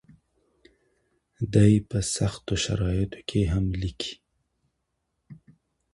دی په سختو شرایطو کې هم لیکي.